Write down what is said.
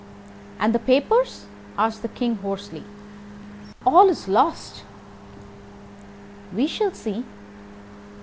"And the papers?" asked the King, hoarsely. "All is lost." "We shall see."